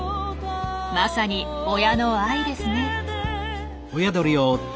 まさに親の「愛」ですね。